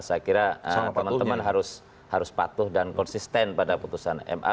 saya kira teman teman harus patuh dan konsisten pada putusan ma